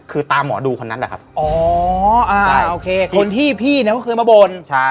คือตามหมอดูคนนั้นแหละครับอ๋ออ่าใช่โอเคคนที่พี่เนี่ยก็เคยมาบ่นใช่